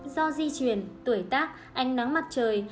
do di chuyển tuổi tác ánh nắng mặt trời